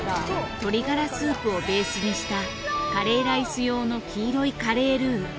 鶏ガラスープをベースにしたカレーライス用の黄色いカレールー。